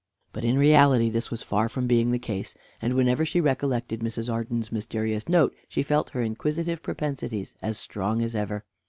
But in reality this was far from being the case, and whenever she recollected Mrs. Arden's mysterious note she felt her inquisitive propensities as strong as ever.